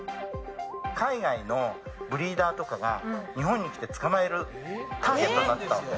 海外のブリーダーとかが日本に来て捕まえるターゲットになってたわけ。